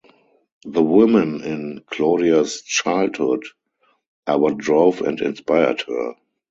The women in Claudia’s childhood are what drove and inspired her.